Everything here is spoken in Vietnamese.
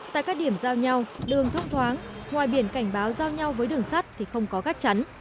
tại các điểm giao nhau đường thông thoáng ngoài biển cảnh báo giao nhau với đường sắt thì không có gắt chắn